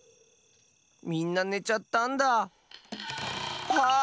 みんなねちゃったんだ。はっ！